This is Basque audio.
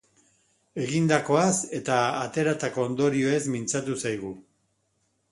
Egindakoaz eta ateratako ondorioez mintzatu zaigu.